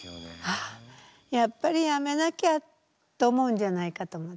「あっやっぱりやめなきゃ」と思うんじゃないかと思って。